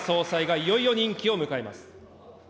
日銀、黒田総裁が、いよいよ任期を迎えます。